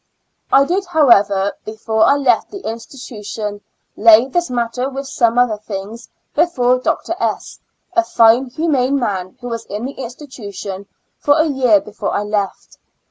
I did, however, before I left the institu tion, lay this matter, with some other things, before Dr. S., a fine humane man who was in the institution for a year before I left.